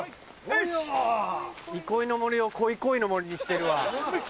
「いこいの森」を「こいこいの森」にしてるわ。